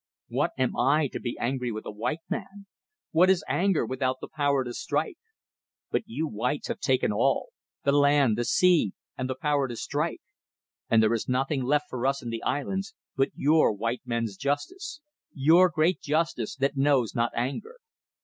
What am I, to be angry with a white man? What is anger without the power to strike? But you whites have taken all: the land, the sea, and the power to strike! And there is nothing left for us in the islands but your white men's justice; your great justice that knows not anger."